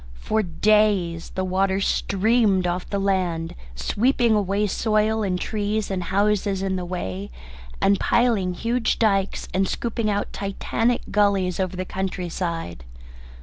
For days the water streamed off the land, sweeping away soil and trees and houses in the way, and piling huge dykes and scooping out Titanic gullies over the country side.